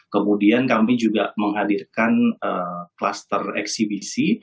kemudian kami juga menghadirkan kluster eksibisi